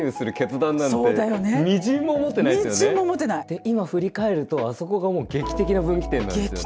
で今振り返るとあそこがもう劇的な分岐点なんですよね。